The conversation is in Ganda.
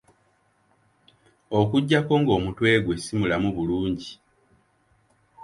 Okuggyako ng'omutwe gwe si mulamu bulungi.